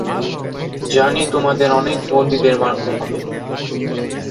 জানি তোমাদের অনেক বন্দীদের মারতে হবে।